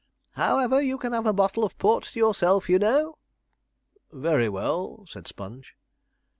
'However, you can have a bottle of port to yourself, you know.' 'Very well,' said Sponge.